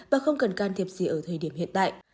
và không cần can thiệp gì ở thời điểm hiện tại